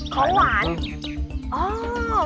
ของหวาน